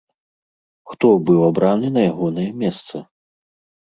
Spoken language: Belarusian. Хто быў абраны на ягонае месца?